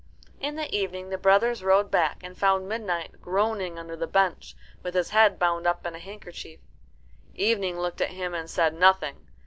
In the evening the brothers rode back, and found Midnight groaning under the bench, with his head bound up in a handkerchief. Evening looked at him and said nothing.